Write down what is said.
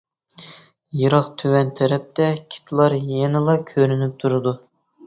بىراق تۆۋەن تەرەپتە كىتلار يەنىلا كۆرۈنۈپ تۇردى.